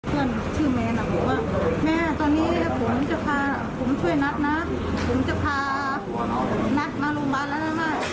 เพื่อนชื่อแมนบอกว่าแม่ตอนนี้ผมจะพาผมช่วยนัทนะผมจะพานัดมาโรงพยาบาลแล้วนะคะ